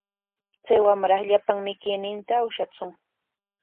Chay wamra llapan mikuyninta ushatsun.